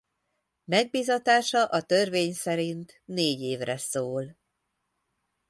Megbízatása a törvény szerint négy évre szól.